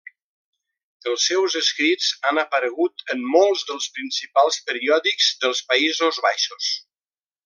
Els seus escrits han aparegut en molts dels principals periòdics dels Països Baixos.